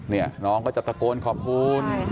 นี่น้องก็จะตะโกนขอบคุณ